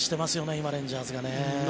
今、レンジャーズがね。